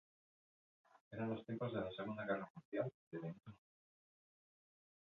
Eran los tiempos de la Segunda Guerra Mundial y de Benito Mussolini.